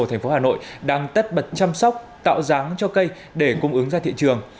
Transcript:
thành phố hà nội đang tất bật chăm sóc tạo ráng cho cây để cung ứng ra thị trường